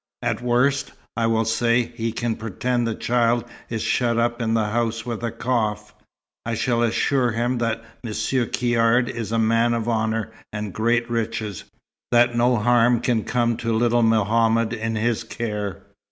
At worst, I will say, he can pretend the child is shut up in the house with a cough. I shall assure him that Monsieur Caird is a man of honour and great riches; that no harm can come to little Mohammed in his care.